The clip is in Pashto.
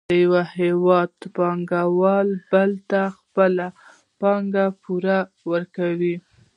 د یو هېواد پانګوال بل ته خپله پانګه پور ورکوي